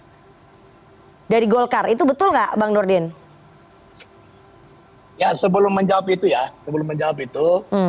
hai dari golkar itu betul nggak bang nurdin ya sebelum menjawab itu ya sebelum menjawab itu